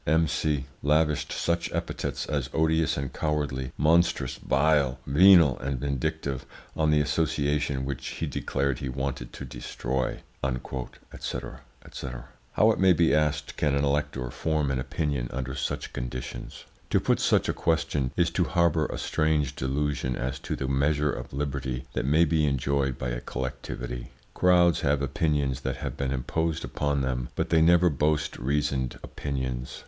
"M. C lavished such epithets as odious and cowardly, monstrous, vile, venal and vindictive, on the Association, which he declared he wanted to destroy," &c., &c. How, it may be asked, can an elector form an opinion under such conditions? To put such a question is to harbour a strange delusion as to the measure of liberty that may be enjoyed by a collectivity. Crowds have opinions that have been imposed upon them, but they never boast reasoned opinions.